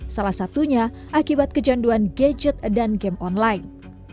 salah satunya akibat kecanduan gadget dan game online